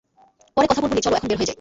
পরে কথা বলবো নি চলো এখন বের হয়ে যাই।